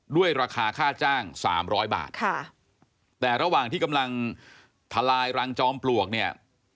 ด้วยราคาค่าจ้างสามร้อยบาทค่ะแต่ระหว่างที่กำลังทลายรังจอมปลวกเนี่ย